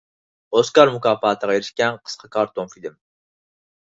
ئوسكار مۇكاپاتىغا ئېرىشكەن قىسقا كارتون فىلىم.